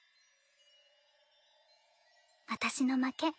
私の負け。